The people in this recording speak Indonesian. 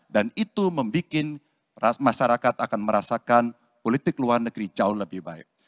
dan itu membuat masyarakat akan merasakan politik luar negeri jauh lebih baik